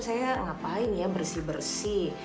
saya ngapain ya bersih bersih